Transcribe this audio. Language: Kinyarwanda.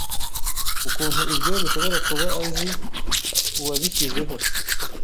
Ukuntu ibyo bishobora kuba Azi uwabishyizeho